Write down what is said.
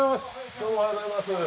どうもおはようございます。